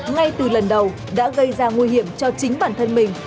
ngay từ lần đầu đã gây ra nguy hiểm cho chính bản thân mình